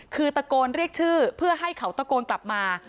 คือตะโกนเรียกชื่อเพื่อให้เขาตะโกนกลับมา